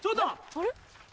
あれ？